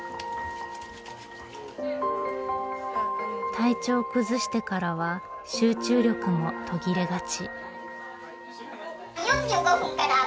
体調を崩してからは集中力も途切れがち。